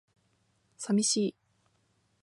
寂しい